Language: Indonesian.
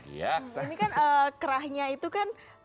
ini kan kerahnya itu kan